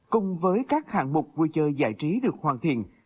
cùng với các hạng mục vui chơi giải trí được hoàn thiện